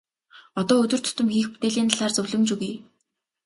Одоо өдөр тутам хийх бүтээлийн талаар зөвлөмж өгье.